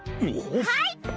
はい！